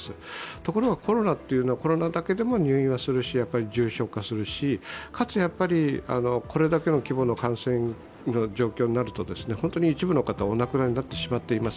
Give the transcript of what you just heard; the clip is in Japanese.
ところがコロナというのはコロナだけでも入院はするし重症化するし、かつやっぱりこれだけの規模の感染状況になると本当に一部の方はお亡くなりになってしまっています。